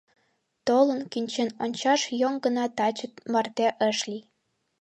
Толын, кӱнчен ончаш йӧн гына таче марте ыш лий.